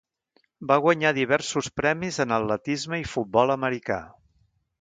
Va guanyar diversos premis en atletisme i futbol americà.